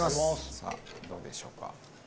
さあどうでしょうか？